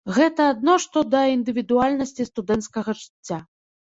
Гэта адно што да індывідуальнасці студэнцкага жыцця.